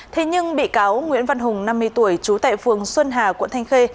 thế nhưng bị cáo nguyễn văn hùng năm mươi tuổi trú tại phường xuân hà quận thanh khê